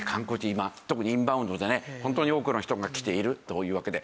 今特にインバウンドでねホントに多くの人が来ているというわけで。